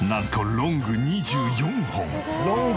ロング２４本。